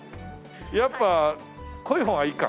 やっぱ濃い方がいいか。